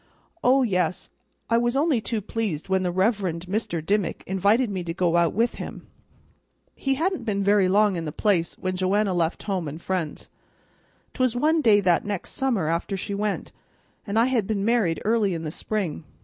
"Oh yes, I was only too pleased when the Reverend Mr. Dimmick invited me to go out with him. He hadn't been very long in the place when Joanna left home and friends. 'Twas one day that next summer after she went, and I had been married early in the spring.